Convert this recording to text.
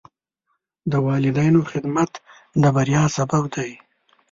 د والدینو خدمت د بریا سبب دی.